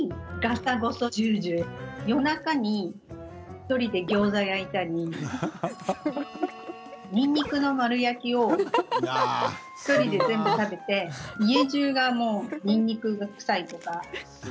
１人でギョーザ焼いたりにんにくの丸焼きを１人で全部食べて家じゅうが、にんにく臭いとか。